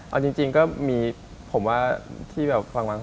เอาจริงก็มีผมว่าที่แบบฟัง